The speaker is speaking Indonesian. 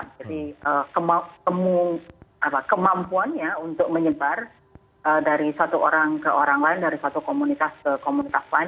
jadi kemampuannya untuk menyebar dari satu orang ke orang lain dari satu komunitas ke komunitas lain